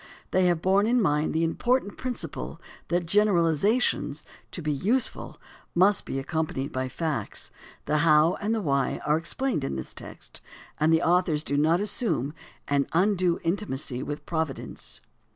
They have borne in mind the important principle that generalizations, to be useful, must be accompanied by the facts. The how and the why are explained in this text, and the authors do not assume an undue intimacy with providence.